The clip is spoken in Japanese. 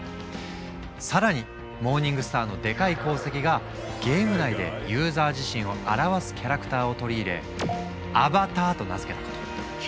更にモーニングスターのでかい功績がゲーム内でユーザー自身を表すキャラクターを取り入れアバターと名付けたこと。